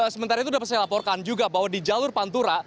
sementara itu dapat saya laporkan juga bahwa di jalur pantura